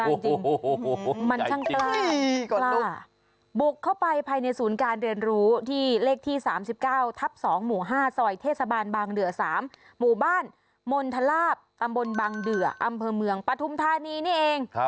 จริงมันช่างกล้าบุกเข้าไปภายในศูนย์การเรียนรู้ที่เลขที่๓๙ทับ๒หมู่๕ซอยเทศบาลบางเดือ๓หมู่บ้านมณฑลาบตำบลบางเดืออำเภอเมืองปฐุมธานีนี่เอง